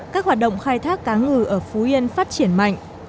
cá ngừ ở phú yên phát triển mạnh